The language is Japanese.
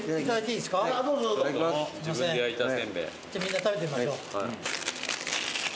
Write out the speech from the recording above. みんな食べてみましょう。